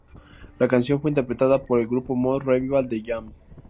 La canción fue interpretada por el grupo Mod revival The Jam.